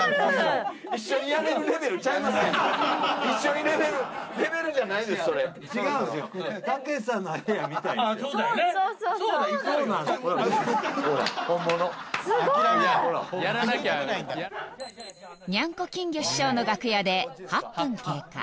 にゃん子・金魚師匠の楽屋で８分経過